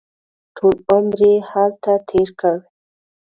ټول عمر یې هلته تېر کړ.